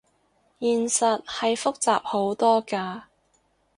現實係複雜好多㗎